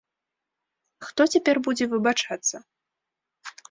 Хто цяпер будзе выбачацца?